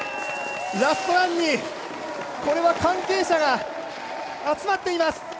ラストランに関係者が集まっています。